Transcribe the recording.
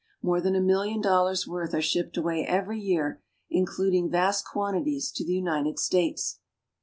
More than a million dollars' worth are shipped away every year, including vast quantities to, the United States.